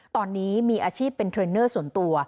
ตอนนี้มีอาชีพเป็นเทรนเนอร์ส่วนตัว